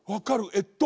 えっと